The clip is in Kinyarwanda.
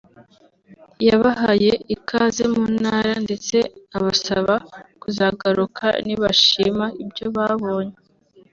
yabahaye ikaze mu Ntara ndetse abasaba kuzagaruka nibashima ibyo babonye